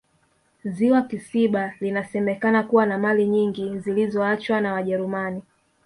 ziwa kisiba linasemekana kuwa na mali nyingi zilizoachwa na wajerumani